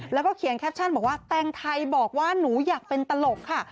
แล้วก็เขียนแคปชั่นบอกว่าแตงไทยบอกว่าหนูอยากเป็นตลกค่ะ